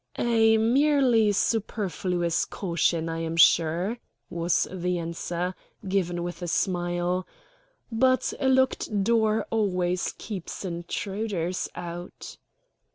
"A merely superfluous caution, I am sure," was the answer, given with a smile; "but a locked door always keeps intruders out."